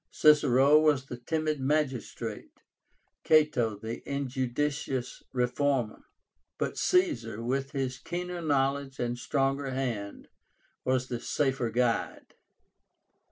Cicero was the timid magistrate; Cato, the injudicious reformer; but Caesar, with his keener knowledge and stronger hand, was the safer guide.